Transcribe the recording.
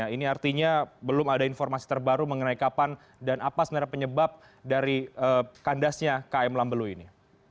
ini artinya belum ada informasi terbaru mengenai kapan dan apa sebenarnya penyebab dari kandasnya km lambelu ini